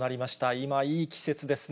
今、いい季節ですね。